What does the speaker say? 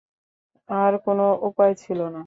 আর কোন উপায় ছিল না।